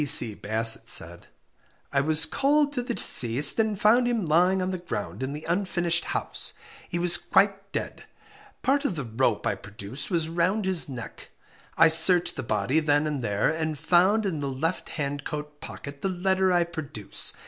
P.C. Bassett said I was called to the deceased, and found him lying on the ground in the unfinished house. He was quite dead. Part of the rope I produce was round his neck. I searched the body then and there, and found in the left hand coat pocket the letter I produce.